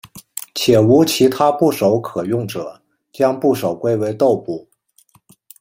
且无其他部首可用者将部首归为豆部。